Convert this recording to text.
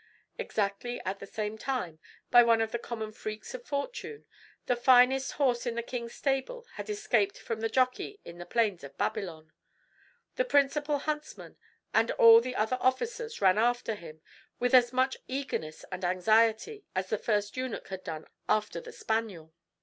Exactly at the same time, by one of the common freaks of fortune, the finest horse in the king's stable had escaped from the jockey in the plains of Babylon. The principal huntsman and all the other officers ran after him with as much eagerness and anxiety as the first eunuch had done after the spaniel.